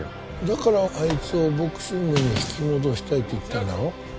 だからあいつをボクシングに引き戻したいと言ったんだろ？